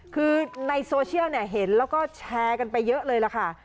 คือในโซเชียลเห็นแล้วก็แชร์กันไปเยอะเลยล่ะค่ะ